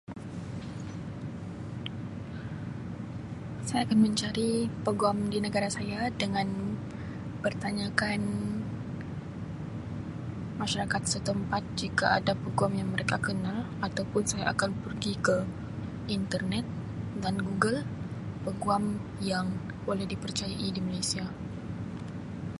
Saya akan mencari peguam di negara saya dengan bertanyakan masyarakat setempat jika ada peguam yang mereka kenal atau pun saya akan pergi ke internet dan Google peguam yang boleh dipercayai di Malaysia.